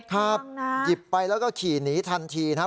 หยิบไปแล้วก็ขี่หนีทันทีนะครับ